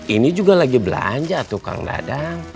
ini juga lagi belanja tuh kang dadang